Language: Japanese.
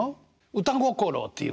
歌心っていうか